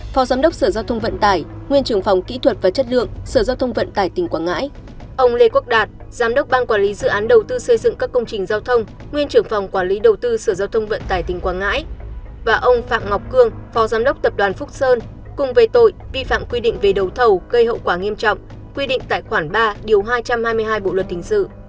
và ông phạm ngọc cương phó giám đốc tập đoàn phúc sơn cùng về tội vi phạm quy định về đầu thầu gây hậu quả nghiêm trọng quy định tài khoản ba điều hai trăm hai mươi hai bộ luật tình sự